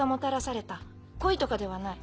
恋とかではない